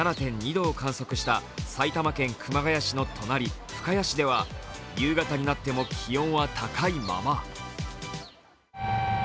３７．２度を観測した埼玉県熊谷市の隣深谷市では夕方になっても気温は高いまま。